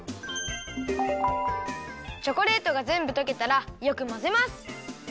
チョコレートがぜんぶとけたらよくまぜます！